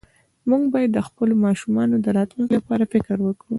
مونږ باید د خپلو ماشومانو د راتلونکي لپاره فکر وکړو